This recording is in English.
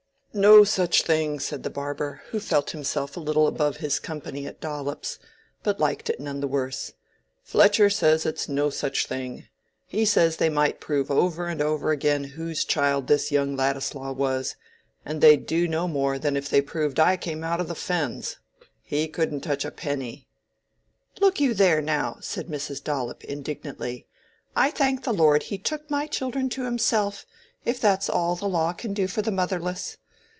"No such thing!" said the barber, who felt himself a little above his company at Dollop's, but liked it none the worse. "Fletcher says it's no such thing. He says they might prove over and over again whose child this young Ladislaw was, and they'd do no more than if they proved I came out of the Fens—he couldn't touch a penny." "Look you there now!" said Mrs. Dollop, indignantly. "I thank the Lord he took my children to Himself, if that's all the law can do for the motherless.